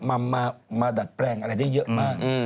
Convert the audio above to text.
มาดัดแปลงอะไรได้เยอะมาก